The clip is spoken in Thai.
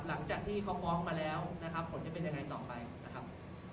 หลังจากที่เขาฟ้องมาแล้วนะครับผลจะเป็นยังไงต่อไปนะครับ